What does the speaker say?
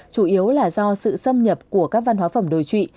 chủ yếu là do sự xâm nhập của các văn hóa phẩm đồi trụy